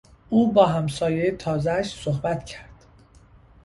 او با همسایهی تازهاش صحبت کرد.